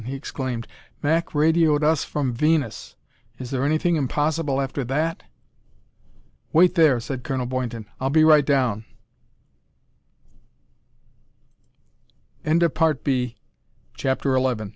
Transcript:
he exclaimed, "Mac radioed us from Venus; is there anything impossible after that?" "Wait there," said Colonel Boynton; "I'll be right down " CHAPTER XII Lieutenant McGuire awoke